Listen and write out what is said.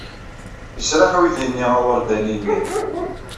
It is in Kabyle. Yesraḥ uydi-nni awerdani-nni.